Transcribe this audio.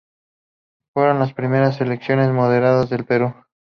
Fueron las primeras elecciones modernas del Perú.